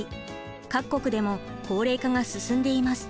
各国でも高齢化が進んでいます。